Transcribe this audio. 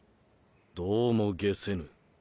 どうも解せぬ。